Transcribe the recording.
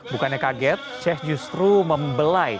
bukannya kaget sheikh justru membelah